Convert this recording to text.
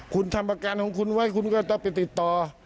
คุณทำอาการของคุณไว้คุณก็ต้องไปติดต่อ